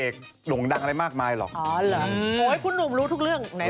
ก็นั่นไงก็ไม่รู้เหมือนกัน